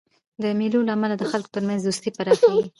د مېلو له امله د خلکو ترمنځ دوستي پراخېږي.